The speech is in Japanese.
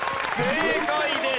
正解です。